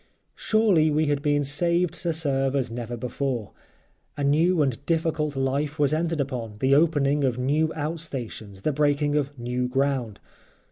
Surely we had been saved to serve as never before. A new and difficult life was entered upon—the opening of new out stations, the breaking of new ground.